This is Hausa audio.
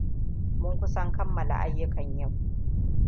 Mun kusan kammala ayyukan yau.